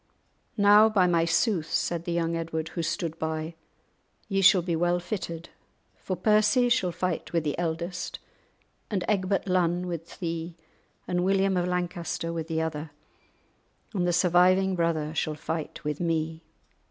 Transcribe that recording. "Now, by my sooth," said the young Edward, who stood by, "Ye shall be well fitted, for Percy shall fight with the eldest, and Egbert Lunn with thee, and William of Lancaster with the other, and the surviving brother shall fight with me.